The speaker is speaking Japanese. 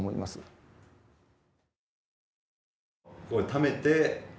ためて。